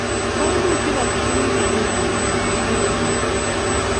kaimutik ata che kikenyoru eng' let aku kikeyutie?